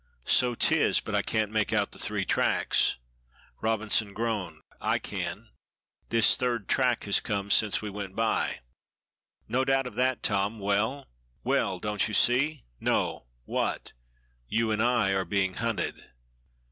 "So 'tis, but I can't make out the three tracks." Robinson groaned. "I can. This third track has come since we went by." "No doubt of that, Tom. Well?" "Well, don't you see?" "No. What?" "You and I are being hunted."